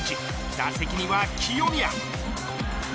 打席には清宮。